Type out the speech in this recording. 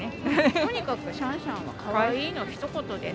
とにかくシャンシャンはかわいいのひと言です。